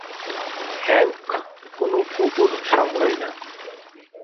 Hank কোন কুকুর samurai না।